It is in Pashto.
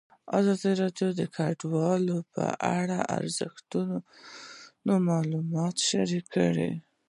ازادي راډیو د کډوال په اړه رښتیني معلومات شریک کړي.